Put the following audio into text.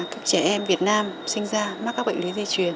các trẻ em việt nam sinh ra mắc các bệnh lý di truyền